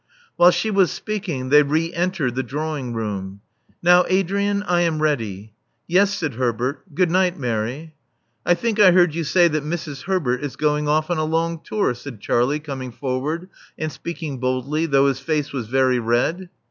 Whilst she was speaking, they re entered the draw ing room. Now, Adrian, I am ready." '*Yes,'* said Herbert "Good night, Mary/* I think I heard you say that Mrs. Herbert is going off on a long tour,*' said Charlie, coming forward, and speaking boldly, though his face was very red.